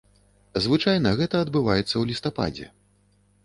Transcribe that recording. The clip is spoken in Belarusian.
Звычайна гэта адбываецца ў лістападзе.